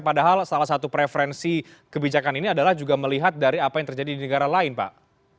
padahal salah satu preferensi kebijakan ini adalah juga melihat dari apa yang terjadi di negara lain pak